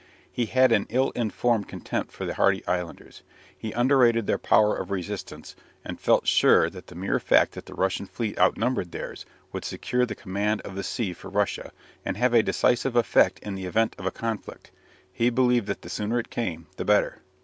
He had an ill informed contempt for the hardy islanders. He underrated their power of resistance, and felt sure that the mere fact that the Russian fleet outnumbered theirs would secure the command of the sea for Russia, and have a decisive effect in the event of a conflict. He believed that the sooner it came the better.